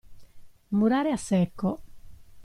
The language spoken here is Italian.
Murare a secco.